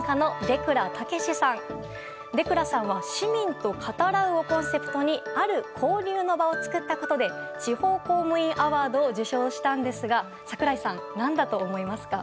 出蔵さんは「市民と語らう」をコンセプトにある交流の場を作ったことで地方公務員アワードを受賞したのですが櫻井さん、何だと思いますか？